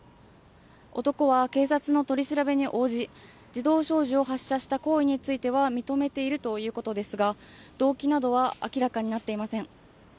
男は警察の取り調べに応じ、自動小銃を発射した行為については認めているということですが、動機などは明らかになっていません。